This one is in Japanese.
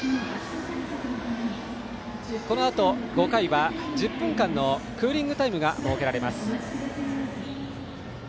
このあと５回は、１０分間のクーリングタイムが設けられます。